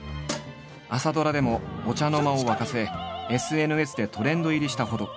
朝ドラでもお茶の間を沸かせＳＮＳでトレンド入りしたほど。